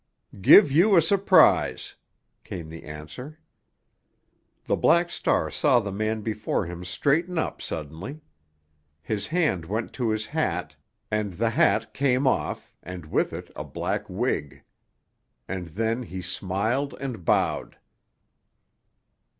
"Give you a surprise," came the answer. The Black Star saw the man before him straighten up suddenly. His hand went to his hat, and the hat came off, and with it a black wig. And then he smiled and bowed.